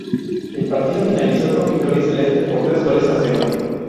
El partido finalizó con victoria celeste por tres goles a cero.